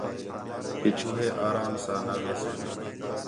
کہ چوہے آرام ساں نا وہ سِن